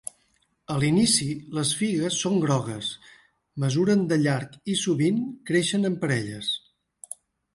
A l'inici, les figues són grogues, mesuren de llarg i sovint creixen en parelles.